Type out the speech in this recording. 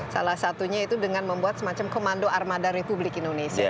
salah satunya itu dengan membuat semacam komando armada republik indonesia